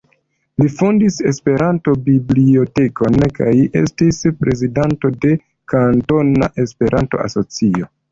Li fondis Esperanto-bibliotekon, kaj estis prezidanto de Kantona Esperanto-Asocio.